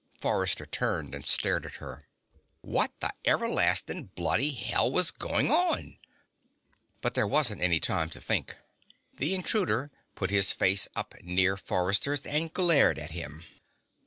Forrester turned and stared at her. What the everlasting bloody hell was going on? But there wasn't any time to think. The intruder put his face up near Forrester's and glared at him.